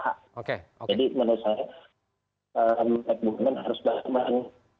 jadi menurut saya bukit bukit harus balik kembali